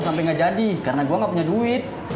sampai gak jadi karena gue gak punya duit